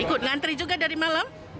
ikut ngantri juga dari malam